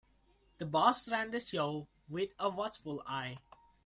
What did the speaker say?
The boss ran the show with a watchful eye.